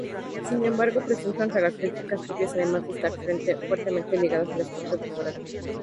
Sin embargo, presentan características propias además de estar fuertemente ligadas al aspecto temporal.